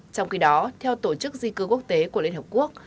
trong khi đó theo tổ chức di cư quốc tế của liên hợp quốc